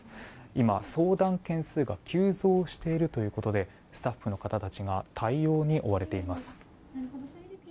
今、相談件数が急増しているということでスタッフの方たちが対応に追われています。